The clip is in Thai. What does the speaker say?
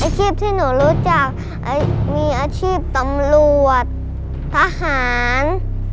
ชีพที่หนูรู้จักมีอาชีพตำรวจทหาร